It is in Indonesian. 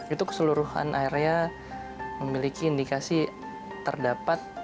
itu keseluruhan area memiliki indikasi terdapat